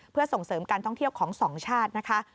เพื่อส่งเสริมการท่องเที่ยวของสองชาตินะคะ